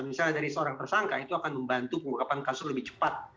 misalnya dari seorang tersangka itu akan membantu pengungkapan kasus lebih cepat